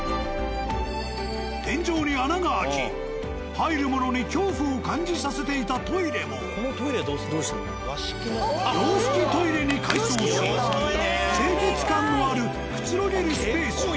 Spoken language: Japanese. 天井に穴が開き入る者に恐怖を感じさせていたトイレも洋式トイレに改装し清潔感のあるくつろげるスペースに。